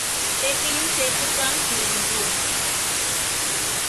பிளேக்கையும் சேர்த்துத் தான் கூறுகின்றோம்!